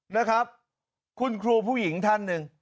นะครับคุณครูผู้หญิงท่านหนึ่ง